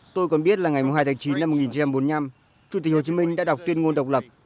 tôi còn biết là ngày hai tháng chín năm một nghìn chín trăm bốn mươi năm chủ tịch hồ chí minh đã đọc tuyên ngôn độc lập